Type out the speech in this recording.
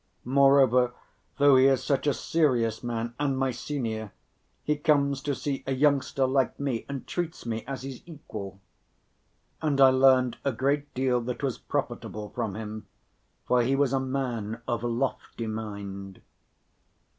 Moreover, though he is such a serious man and my senior, he comes to see a youngster like me and treats me as his equal." And I learned a great deal that was profitable from him, for he was a man of lofty mind.